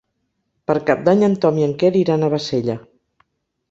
Per Cap d'Any en Tom i en Quer iran a Bassella.